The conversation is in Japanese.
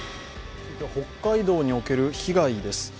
北海道における被害です。